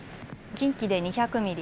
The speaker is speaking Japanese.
近畿で２００ミリ